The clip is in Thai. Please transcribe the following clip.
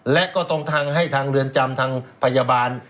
และก็ต้องทางให้ทางเรือนจำทางพยาบาล